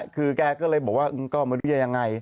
คือแกก็เลยบอกว่ามันเป็นอย่างไร